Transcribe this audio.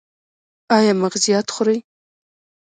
ایا مغزيات خورئ؟